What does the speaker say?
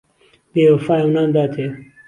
بێوهفایه و نامداتێ